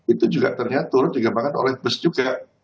itu juga ternyata turut dikembangkan oleh bus juga